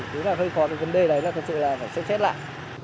nếu là hơi khó thì vấn đề đấy là thật sự là phải xếp xét lại